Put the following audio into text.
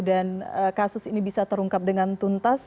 dan kasus ini bisa terungkap dengan tuntas